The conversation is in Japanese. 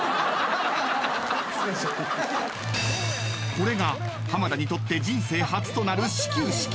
［これが浜田にとって人生初となる始球式］